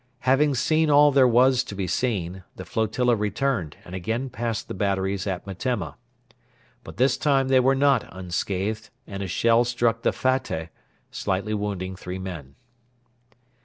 Having seen all there was to be seen, the flotilla returned and again passed the batteries at Metemma. But this time they were not unscathed, and a shell struck the Fateh, slightly wounding three men.